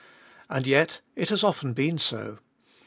And yet it has often been so.